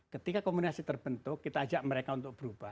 ketika komunikasi terbentuk kita ajak mereka untuk berbicara